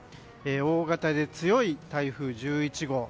大型で強い台風１１号。